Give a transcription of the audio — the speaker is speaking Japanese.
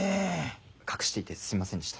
隠していてすいませんでした。